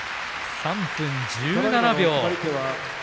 ３分１７秒。